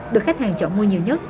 được khách hàng chọn mua nhiều nhất